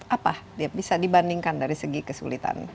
apa bisa dibandingkan dari segi kesulitan